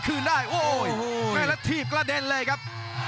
คืนได้โอ้โหไม่แล้วถีบกระเด็นเลยครับ